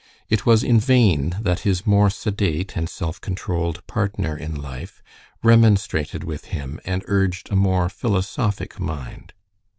It was in vain that his more sedate and self controlled partner in life remonstrated with him and urged a more philosophic mind.